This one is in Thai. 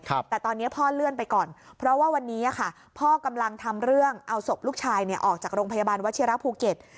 แต่ตอนนี้พ่อเลื่อนไปก่อนเพราะว่าวันนี้อ่ะค่ะพ่อกำลังทำเรื่องเอาศพลูกชายเนี่ยออกจากโรงพยาบาลวัชิระภูเก็ต